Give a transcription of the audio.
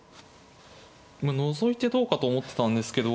まあのぞいてどうかと思ってたんですけど。